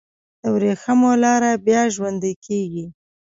د وریښمو لاره بیا ژوندی کیږي؟